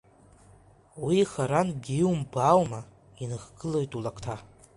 Уи харантәгьы иумбо аума, иныхгылоит улакҭа.